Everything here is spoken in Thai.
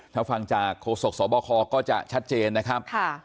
ถ้าฟังจากโฆษกสบคก็จะชัดเจนนะครับ